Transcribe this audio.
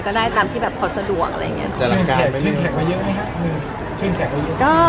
ก็ตัวเรียบร้อยแล้วนะคะ